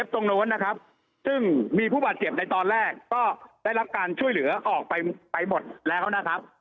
ตรงนั้นมีผู้บัตรเสียบในตอนแรกก็ได้รับการช่วยเหลือออกไปหมดแล้วนะครับ